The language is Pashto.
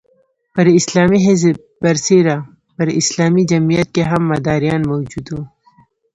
پر اسلامي حزب برسېره په اسلامي جمعیت کې هم مداریان موجود وو.